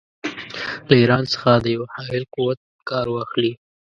له ایران څخه د یوه حایل قوت کار واخلي.